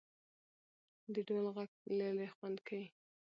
د ډول ږغ د ليري خوند کيي.